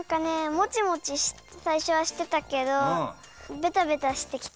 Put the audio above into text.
もちもちさいしょはしてたけどベタベタしてきた。